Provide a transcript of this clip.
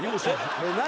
・何？